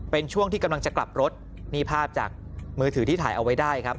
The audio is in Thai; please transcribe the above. เป็นช่วงที่กำลังจะกลับรถนี่ภาพจากมือถือที่ถ่ายเอาไว้ได้ครับ